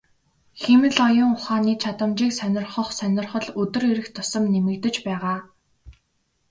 Хиймэл оюун ухааны чадамжийг сонирхох сонирхол өдөр ирэх тусам нэмэгдэж байгаа.